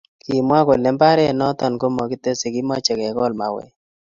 kimwa kole mbaret noton ko makitese kimache ke gol mauek